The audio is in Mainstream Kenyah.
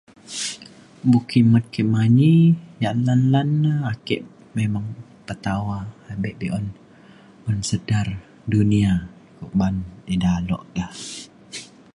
buk kimet ke manyi janan nan na ake memang petawa abe be’un un sedar dunia ban ida alok da